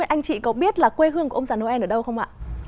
anh chị có biết là quê hương của ông già noel ở đâu không ạ